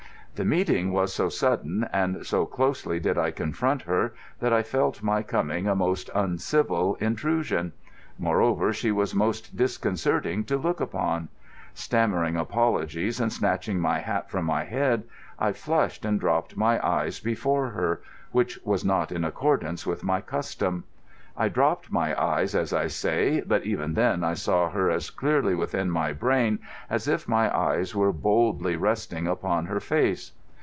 The meeting was so sudden, and so closely did I confront her, that I felt my coming a most uncivil intrusion. Moreover, she was most disconcerting to look upon. Stammering apologies and snatching my hat from my head, I flushed and dropped my eyes before her—which was not in accordance with my custom. I dropped my eyes, as I say, but even then I saw her as clearly within my brain as if my eyes were boldly resting upon her face.